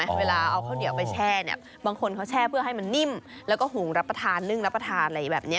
เวลาเอาข้าวเหนียวไปแช่เนี่ยบางคนเขาแช่เพื่อให้มันนิ่มแล้วก็หุงรับประทานนึ่งรับประทานอะไรแบบนี้